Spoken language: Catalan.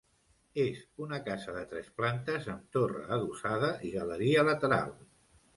És una casa de tres plantes amb torre adossada i galeria lateral.